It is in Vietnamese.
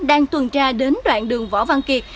đang tuần tra đến đoạn đường võ văn kiệt